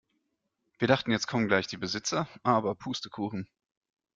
Wir dachten jetzt kommen gleich die Besitzer, aber Pustekuchen.